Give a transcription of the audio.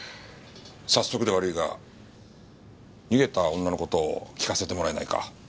早速で悪いが逃げた女の事を聞かせてもらえないか？